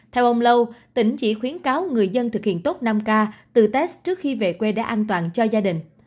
theo ông lâu tỉnh chỉ khuyến cáo người dân thực hiện tốt năm k từ test trước khi về quê đá an toàn cho gia đình